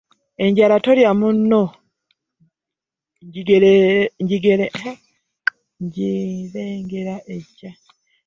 Enjala tolya munno ngirengera ejja.